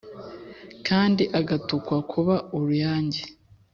Kandi agatukwa kuba uruyange